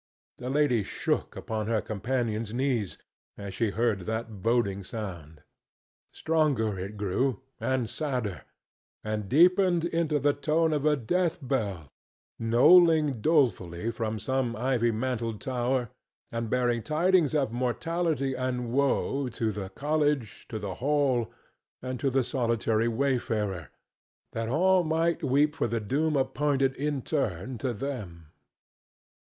The lady shook upon her companion's knees as she heard that boding sound. Stronger it grew, and sadder, and deepened into the tone of a death bell, knolling dolefully from some ivy mantled tower and bearing tidings of mortality and woe to the cottage, to the hall and to the solitary wayfarer, that all might weep for the doom appointed in turn to them.